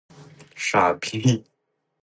傻逼是吧？